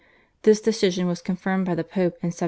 This decision was confirmed by the Pope in 1706.